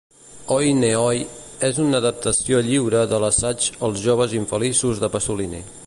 "Oi Néoi" és una adaptació lliure de l'assaig Els joves infeliços de Passolini.